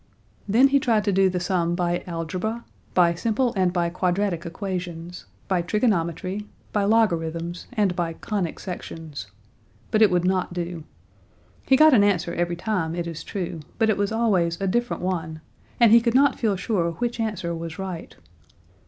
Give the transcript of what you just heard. Then he tried to do the sum by algebra, by simple and by quadratic equations, by trigonometry, by logarithms, and by conic sections. But it would not do. He got an answer every time, it is true, but it was always a different one, and he could not feel sure which answer was right.